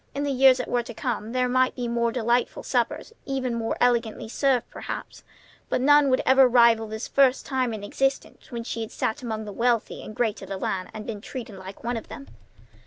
In the years that were to come there might be many more delightful suppers, even more elegantly served, perhaps; but none would ever rival this first time in her existence when she had sat among the wealthy and great of the land and been treated like one of them.